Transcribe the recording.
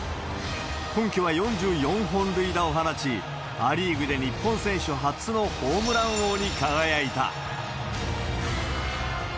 今季は４４本塁打を放ち、ア・リーグで日本選手初のホームラン王に輝いた。